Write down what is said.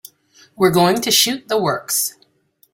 We're going to shoot the works.